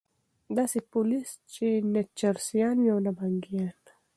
داسي پولیس چې نه چرسیان وي او نه بنګیان